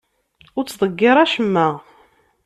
Ur ttḍeyyir acemma.